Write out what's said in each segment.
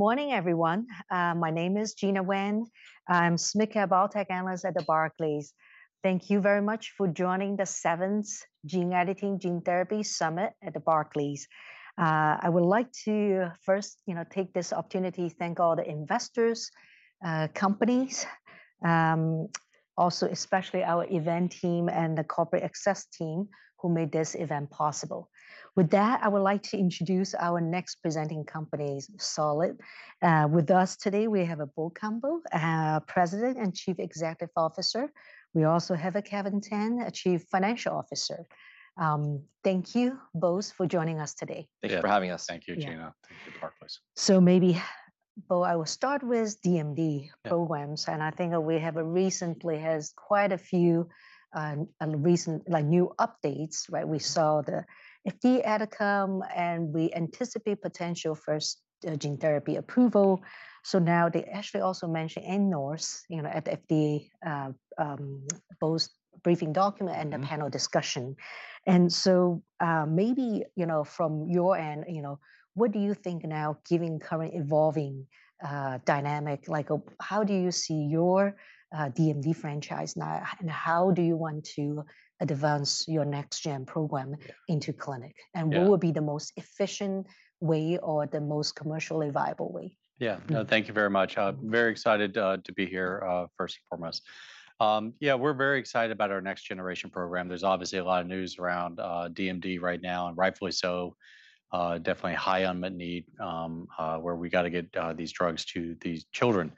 Good morning, everyone. My name is Gena Wang. I'm SMCR & Biotech Analyst at Barclays. Thank you very much for joining the seventh Gene Editing, Gene Therapy Summit at Barclays. I would like to first, you know, take this opportunity to thank all the investors, companies, also especially our event team and the corporate access team who made this event possible. With that, I would like to introduce our next presenting company, Solid. With us today, we have Bo Cumbo, our President and Chief Executive Officer. We also have Kevin Tan, Chief Financial Officer. Thank you both for joining us today. Thank you for having us. Yeah. Thank you, Gena. Yeah. Thank you, Barclays. Maybe, Bo, I will start with DMD- Yeah... programs. I think that we have recently has quite a few, recent, like, new updates, right? We saw the FDA outcome. We anticipate potential first gene therapy approval. Now they actually also mention NOSARs, you know, at FDA, both briefing document and the panel discussion. Maybe, you know, from your end, you know, what do you think now giving current evolving dynamic? Like, how do you see your DMD franchise now, and how do you want to advance your next-gen program into clinic? Yeah. What would be the most efficient way or the most commercially viable way? Yeah. No, thank you very much. Very excited to be here first and foremost. We're very excited about our next generation program. There's obviously a lot of news around DMD right now, and rightfully so. Definitely a high unmet need where we got to get these drugs to these children.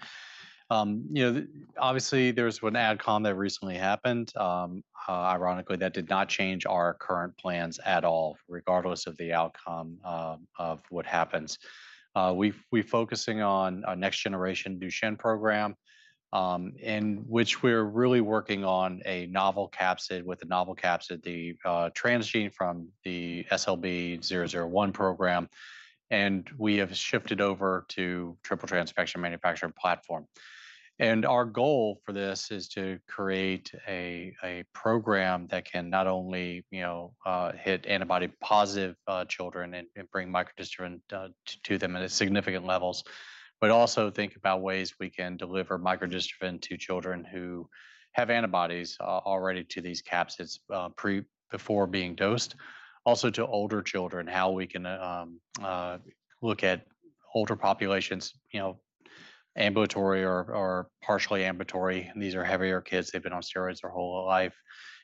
You know, obviously, there was an AdCom that recently happened. Ironically, that did not change our current plans at all, regardless of the outcome of what happens. We're focusing on a next-generation Duchenne program in which we're really working on a novel capsid with a novel capsid, the transgene from the SLB001 program, and we have shifted over to triple transfection manufacturing platform. Our goal for this is to create a program that can not only, you know, hit antibody positive children and bring microdystrophin to them at significant levels, but also think about ways we can deliver microdystrophin to children who have antibodies already to these capsids, before being dosed. To older children, how we can look at older populations, you know, ambulatory or partially ambulatory. These are heavier kids. They've been on steroids their whole life,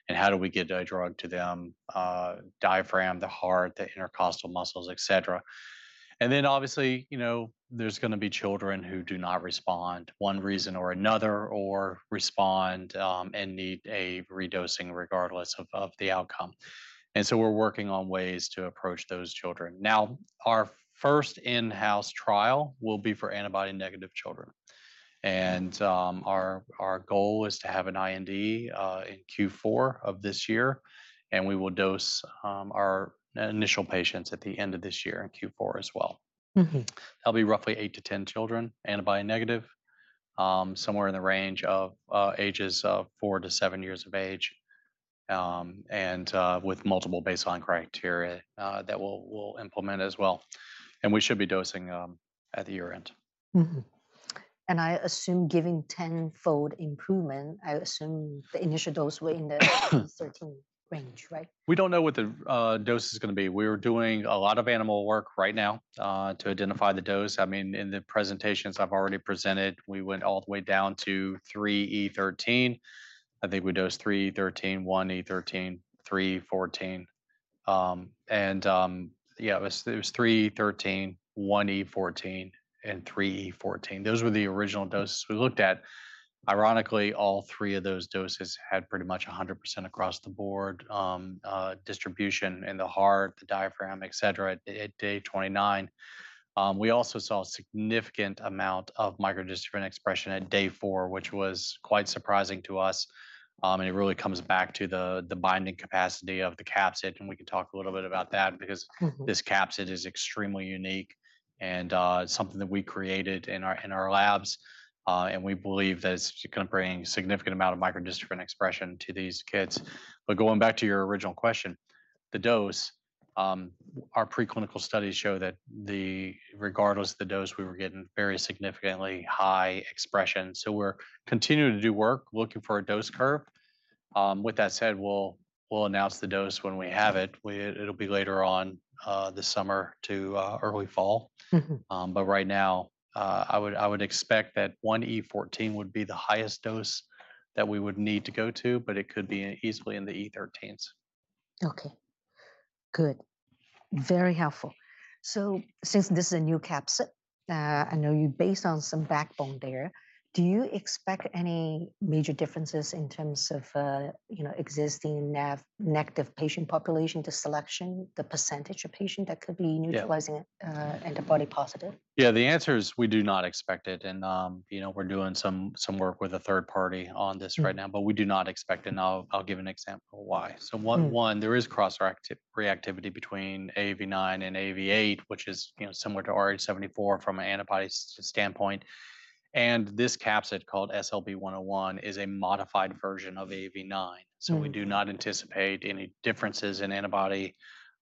and how do we get a drug to them, diaphragm, the heart, the intercostal muscles, et cetera. Then obviously, you know, there's gonna be children who do not respond, one reason or another, or respond and need a redosing regardless of the outcome. So we're working on ways to approach those children. Now, our first in-house trial will be for antibody negative children. Our goal is to have an IND in Q4 of this year, we will dose our initial patients at the end of this year in Q4 as well. Mm-hmm. That'll be roughly eight to 10 children, antibody negative, somewhere in the range of ages of four to seven years of age, and with multiple baseline criteria that we'll implement as well. We should be dosing at the year-end. I assume giving tenfold improvement, I assume the initial dose were in the 1E13, right? We don't know what the dose is gonna be. We're doing a lot of animal work right now to identify the dose. I mean, in the presentations I've already presented, we went all the way down to 3E13. I think we dosed 3E13, 1E13, 3E14. It was 3E13, 1E14, and 3E14. Those were the original doses we looked at. Ironically, all three of those doses had pretty much 100% across the board distribution in the heart, the diaphragm, et cetera, at day 29. We also saw a significant amount of microdystrophin expression at day four, which was quite surprising to us. It really comes back to the binding capacity of the capsid, and we can talk a little bit about that. Mm-hmm... this capsid is extremely unique and something that we created in our labs, and we believe that it's gonna bring significant amount of microdystrophin expression to these kids. Going back to your original question, the dose, our preclinical studies show that regardless of the dose, we were getting very significantly high expression. We're continuing to do work looking for a dose curve. With that said, we'll announce the dose when we have it. It'll be later on this summer to early fall. Mm-hmm. Right now, I would expect that 1E14 would be the highest dose that we would need to go to, but it could be easily in the E13s. Okay. Good. Very helpful. Since this is a new capsid, I know you based on some backbone there, do you expect any major differences in terms of, you know, existing AAV-negative patient population to selection, the percentage of patient that could be? Yeah... utilizing, antibody positive? Yeah. The answer is we do not expect it. You know, we're doing some work with a third party on this right now. Mm-hmm We do not expect, and I'll give an example why. Mm-hmm. One, there is cross reactivity between AAV9 and AAV8, which is, you know, similar to RH74 from an antibody standpoint. And this capsid called SLB 101 is a modified version of AAV9. Mm-hmm. We do not anticipate any differences in antibody,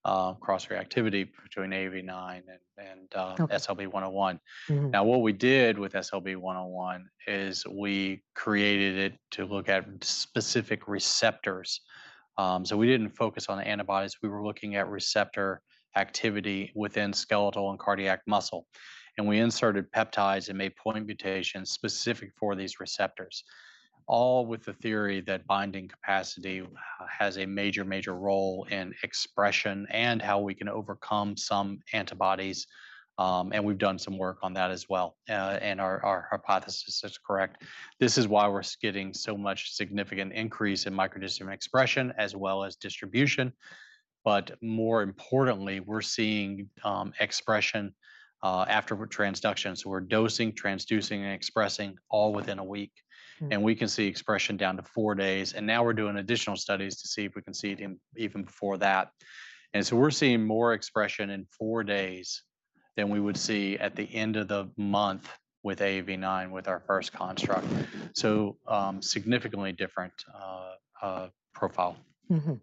cross-reactivity between AAV9 and... Okay... SLB 101. Mm-hmm. What we did with SLB 101 is we created it to look at specific receptors. We didn't focus on the antibodies. We were looking at receptor activity within skeletal and cardiac muscle, and we inserted peptides and made point mutations specific for these receptors, all with the theory that binding capacity has a major role in expression and how we can overcome some antibodies. We've done some work on that as well, and our hypothesis is correct. This is why we're getting so much significant increase in micro DNA expression as well as distribution, but more importantly, we're seeing expression after transduction. We're dosing, transducing, and expressing all within a week. Mm-hmm. We can see expression down to four days, now we're doing additional studies to see if we can see it in even before that. We're seeing more expression in four days than we would see at the end of the month with AAV9, with our first construct. Significantly different profile. Mm-hmm.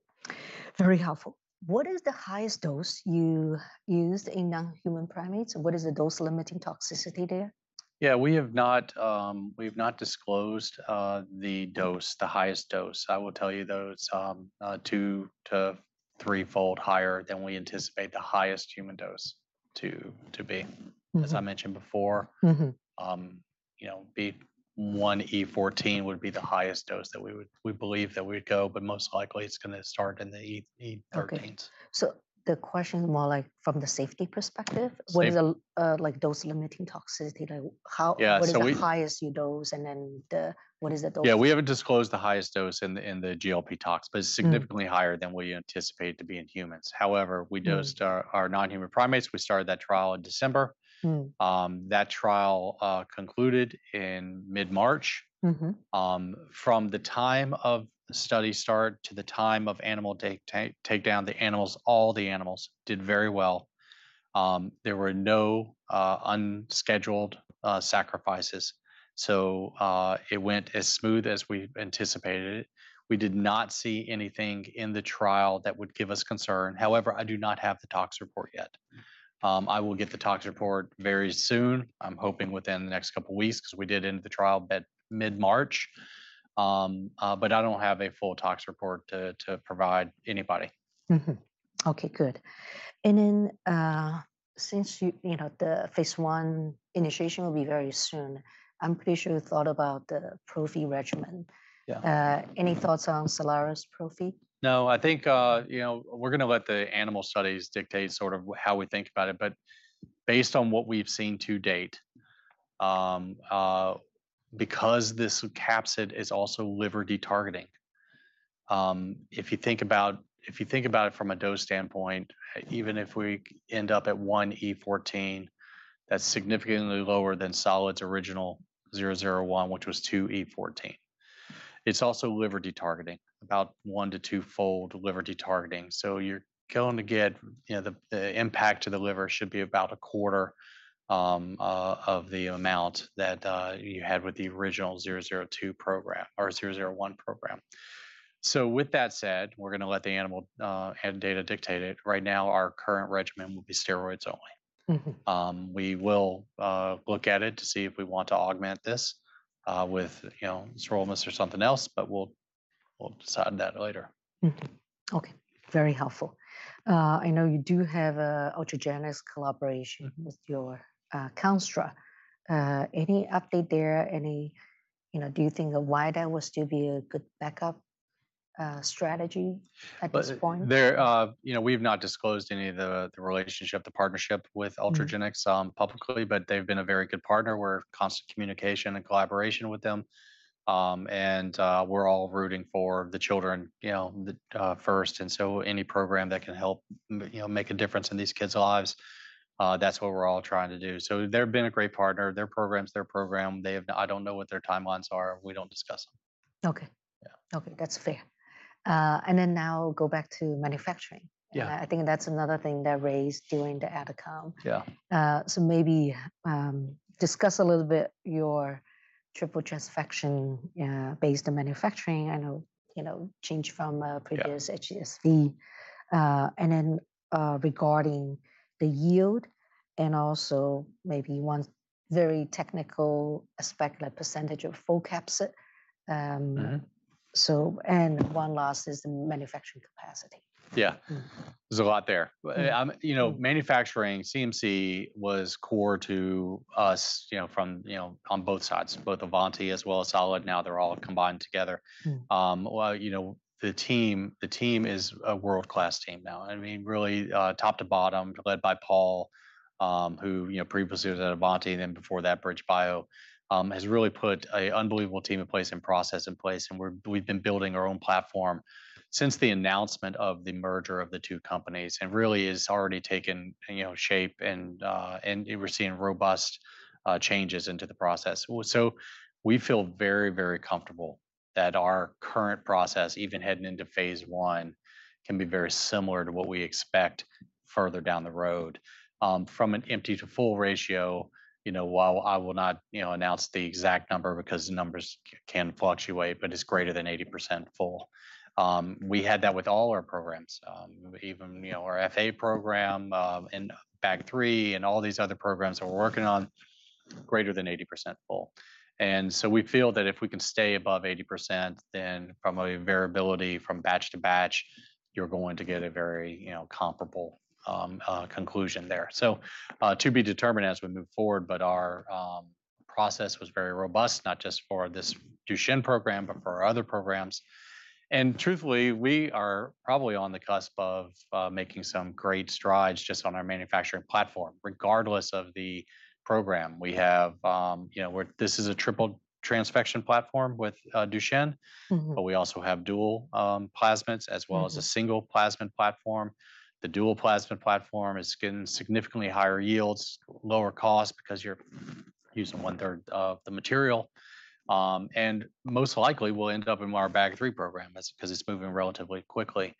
Very helpful. What is the highest dose you used in non-human primates? What is the dose limiting toxicity there? We have not disclosed the highest dose. I will tell you though, it's 2- to 3-fold higher than we anticipate the highest human dose to be. Mm-hmm. As I mentioned before. Mm-hmm you know, be 1 E14 would be the highest dose that we believe that we'd go, most likely it's gonna start in the E13s. Okay. The question more like from the safety perspective. Safety what is the, like dose limiting toxicity? Yeah. What is the highest you dose? Yeah, we haven't disclosed the highest dose in the, in the GLP tox- Mm-hmm... but it's significantly higher than we anticipate to be in humans. However, we dosed. Mm-hmm... our non-human primates. We started that trial in December. Mm-hmm. That trial concluded in mid-March. Mm-hmm. From the time of the study start to the time of animal take down, all the animals did very well. There were no unscheduled sacrifices, it went as smooth as we anticipated it. We did not see anything in the trial that would give us concern. However, I do not have the tox report yet. I will get the tox report very soon. I'm hoping within the next couple weeks 'cause we did end the trial mid-March. I don't have a full tox report to provide anybody. Mm-hmm. Okay, good. Then, since you know, the phase I initiation will be very soon, I'm pretty sure you thought about the prophy regimen. Yeah. Any thoughts on Soliris prophy? I think, you know, we're gonna let the animal studies dictate sort of how we think about it. Based on what we've seen to date, because this capsid is also liver-detargeting, if you think about it from a dose standpoint, even if we end up at 1 E14, that's significantly lower than Solid's original 001, which was 2 E14. It's also liver-detargeting, about 1 to 2-fold liver-detargeting. You're going to get, you know, the impact to the liver should be about a quarter of the amount that you had with the original 002 program or 001 program. With that said, we're gonna let the animal and data dictate it. Right now our current regimen will be steroids only. Mm-hmm. We will look at it to see if we want to augment this with, you know, Sirolimus or something else, but we'll decide that later. Mm-hmm. Okay. Very helpful. I know you do have a Ultragenyx collaboration- Mm-hmm... with your, construct. Any update there? Any, you know, do you think a wide will still be a good backup, strategy at this point? There, you know, we have not disclosed any of the relationship, the partnership with Ultragenyx, publicly. They've been a very good partner. We're constant communication and collaboration with them. We're all rooting for the children, you know, the first. Any program that can help, you know, make a difference in these kids' lives, that's what we're all trying to do. They've been a great partner. Their program's their program. They have. I don't know what their timelines are, and we don't discuss them. Okay. Yeah. Okay, that's fair. Then now go back to manufacturing. Yeah. I think that's another thing that raised during the AdCom. Yeah. Maybe discuss a little bit your triple transfection based manufacturing. I know, you know, change from. Yeah... previous HSV. Regarding the yield and also maybe one very technical aspect, like % of full capsid. Mm-hmm One last is the manufacturing capacity. Yeah. Mm-hmm. There's a lot there. you know, manufacturing CMC was core to us, you know, from, you know, on both sides, both AavantiBio as well as Solid. Now they're all combined together. Mm-hmm. You know, the team is a world-class team now. I mean, really, top to bottom, led by Paul, who, you know, previously was at AavantiBio and then before that BridgeBio, has really put a unbelievable team in place and process in place and we've been building our own platform since the announcement of the merger of the two companies. Really has already taken, you know, shape and we're seeing robust changes into the process. We feel very comfortable that our current process, even heading into phase I, can be very similar to what we expect further down the road. From an empty to full ratio, you know, while I will not, you know, announce the exact number because the numbers can fluctuate, but it's greater than 80% full. We had that with all our programs, even, you know, our FA program, and BAG3 and all these other programs that we're working on, greater than 80% full. We feel that if we can stay above 80%, then from a variability from batch to batch, you're going to get a very, you know, comparable conclusion there. To be determined as we move forward, but our process was very robust, not just for this Duchenne program, but for our other programs. Truthfully, we are probably on the cusp of making some great strides just on our manufacturing platform, regardless of the program. We have, you know, this is a triple transfection platform with Duchenne. Mm-hmm. We also have dual plasmids. Mm-hmm. as well as a single plasmid platform. The dual plasmid platform is getting significantly higher yields, lower cost because you're using 1/3 of the material. Most likely will end up in our BAG3 program because it's moving relatively quickly.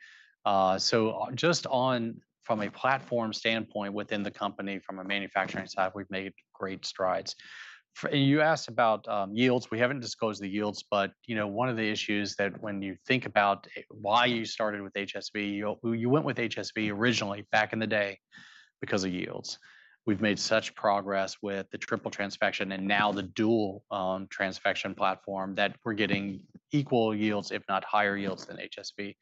just on from a platform standpoint within the company from a manufacturing side, we've made great strides. You asked about yields. We haven't disclosed the yields but, you know, one of the issues that when you think about why you started with HSV, you went with HSV originally back in the day because of yields. We've made such progress with the triple transfection and now the dual transfection platform that we're getting equal yields, if not higher yields than HSV,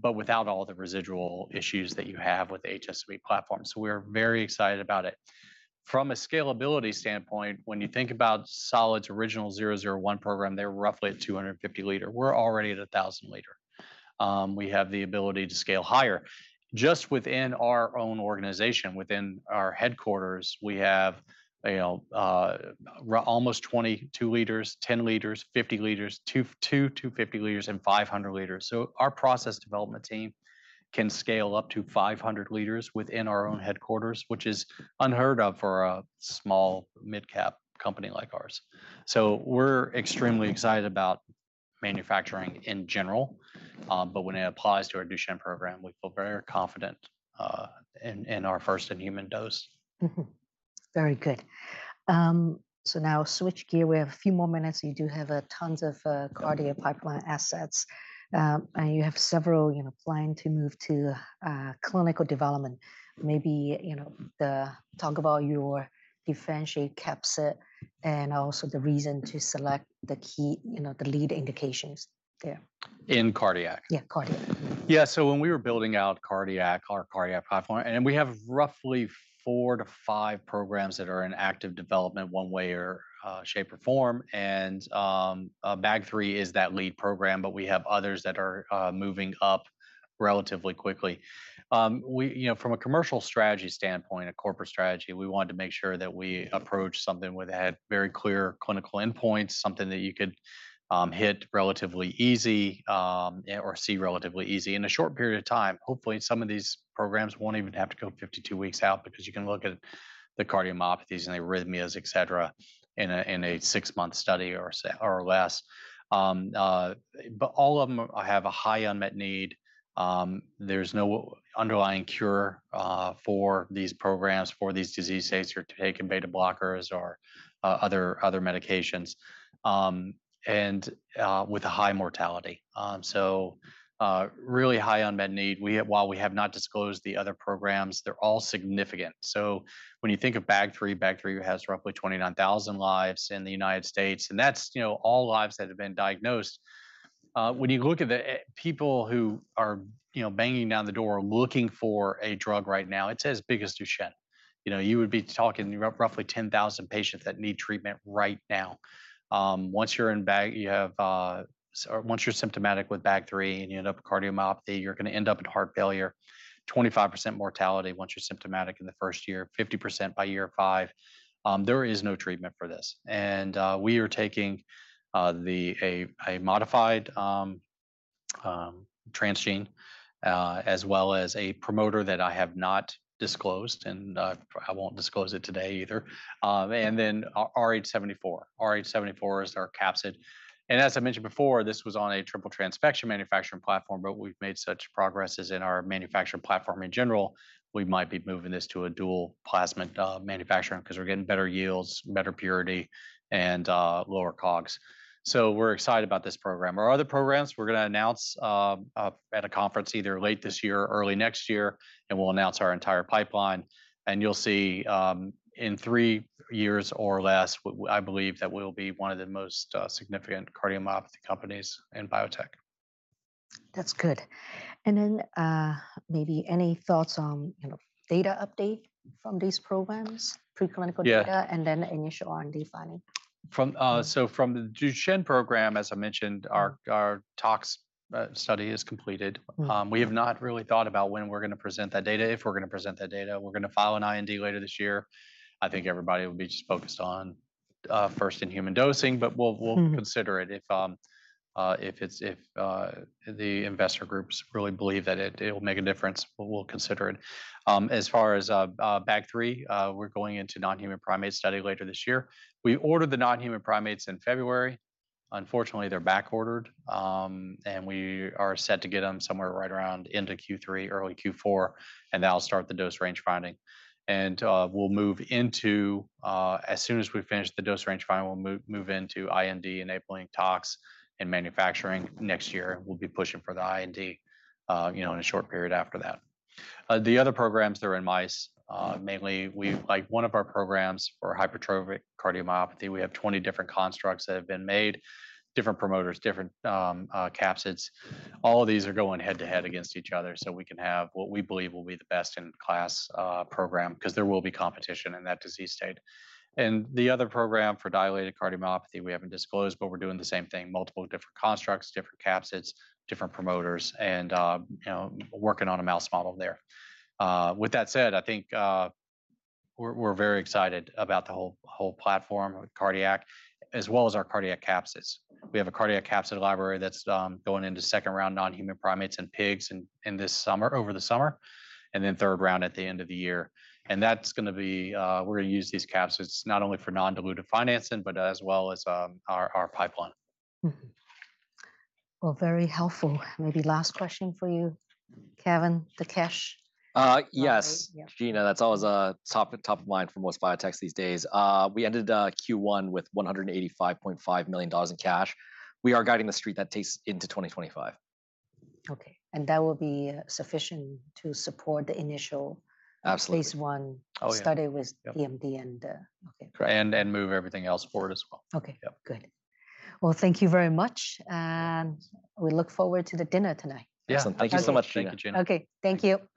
but without all the residual issues that you have with HSV platforms. We're very excited about it. From a scalability standpoint, when you think about Solid's original SGT-001 program, they're roughly at 250 liter. We're already at 1,000 liter. We have the ability to scale higher. Just within our own organization, within our headquarters, we have, you know, almost 22 liters, 10 liters, 50 liters, 250 liters, and 500 liters. Our process development team can scale up to 500 liters within our own headquarters, which is unheard of for a small mid-cap company like ours. We're extremely excited about manufacturing in general, when it applies to our Duchenne program, we feel very confident in our first in-human dose. Very good. Now switch gear. We have a few more minutes. You do have a tons of cardiac pipeline assets, and you have several, you know, planning to move to clinical development. Maybe, you know, talk about your differentiated capsid and also the reason to select the key, you know, the lead indications there. In cardiac? Yeah, cardiac. Yeah. When we were building out cardiac, our cardiac platform. We have roughly four to five programs that are in active development one way or shape or form. BAG3 is that lead program, but we have others that are moving up relatively quickly. We, you know, from a commercial strategy standpoint, a corporate strategy, we wanted to make sure that we approach something that had very clear clinical endpoints, something that you could hit relatively easy, or see relatively easy in a short period of time. Hopefully, some of these programs won't even have to go 52 weeks out because you can look at the cardiomyopathies and arrhythmias, et cetera, in a six-month study or less. All of them have a high unmet need. There's no underlying cure for these programs, for these disease states. You're taking beta blockers or other medications, and with a high mortality. Really high unmet need. While we have not disclosed the other programs, they're all significant. When you think of BAG3 has roughly 29,000 lives in the United States, and that's, you know, all lives that have been diagnosed. When you look at the people who are, you know, banging down the door looking for a drug right now, it's as big as Duchenne. You know, you would be talking roughly 10,000 patients that need treatment right now. Once you're in BAG, you have, or once you're symptomatic with BAG3 and you end up with cardiomyopathy, you're gonna end up in heart failure. 25% mortality once you're symptomatic in the first year, 50% by year five. There is no treatment for this. We are taking a modified transgene as well as a promoter that I have not disclosed, and I won't disclose it today either. RH74. RH74 is our capsid. As I mentioned before, this was on a triple transfection manufacturing platform, but we've made such progresses in our manufacturing platform in general, we might be moving this to a dual plasmid manufacturing because we're getting better yields, better purity and lower COGS. We're excited about this program. Our other programs, we're gonna announce up at a conference either late this year or early next year, and we'll announce our entire pipeline. You'll see, in three years or less, I believe that we'll be one of the most significant cardiomyopathy companies in biotech. That's good. Maybe any thoughts on, you know, data update from these programs? Pre-clinical data. Yeah. Initial R&D finding. From the Duchenne program, as I mentioned, our tox study is completed. Mm-hmm. We have not really thought about when we're gonna present that data, if we're gonna present that data. We're gonna file an IND later this year. I think everybody will be just focused on first in human dosing, but we'll. Mm-hmm. consider it if it's, if the investor groups really believe that it will make a difference, we'll consider it. As far as BAG3, we're going into non-human primate study later this year. We ordered the non-human primates in February. Unfortunately, they're backordered, and we are set to get them somewhere right around into Q3, early Q4, and that'll start the Dose-range finding. We'll move into, as soon as we finish the Dose-range finding, we'll move into IND-enabling tox and manufacturing next year. We'll be pushing for the IND, you know, in a short period after that. The other programs, they're in mice. Mainly, like, one of our programs for Hypertrophic cardiomyopathy, we have 20 different constructs that have been made, different promoters, different capsids. All of these are going head to head against each other so we can have what we believe will be the best in class program, 'cause there will be competition in that disease state. The other program for dilated cardiomyopathy, we haven't disclosed, but we're doing the same thing, multiple different constructs, different capsids, different promoters, and, you know, working on a mouse model there. With that said, I think, we're very excited about the whole platform with cardiac as well as our cardiac capsids. We have a cardiac capsid library that's going into second round non-human primates and pigs in this summer, over the summer, and then third round at the end of the year. That's gonna be, we're gonna use these capsids not only for non-dilutive financing, but as well as, our pipeline. Mm-hmm. Well, very helpful. Maybe last question for you, Kevin, the cash. Yes. Yeah. Gena, that's always top of mind for most biotechs these days. We ended Q1 with $185.5 million in cash. We are guiding the street that takes into 2025. Okay. That will be sufficient to support the initial-. Absolutely. phase I. Oh, yeah. study with DMD and Okay. And move everything else forward as well. Okay. Yep. Good. Well, thank you very much, and we look forward to the dinner tonight. Yeah. Thank you so much, Gena. Thank you, Gena. Okay. Thank you.